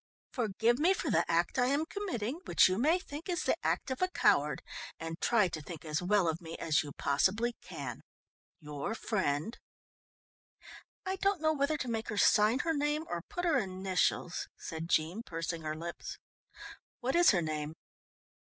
"_Forgive me for the act I am committing, which you may think is the act of a coward, and try to think as well of me as you possibly can. Your friend _" "I don't know whether to make her sign her name or put her initials," said Jean, pursing her lips. "What is her name?"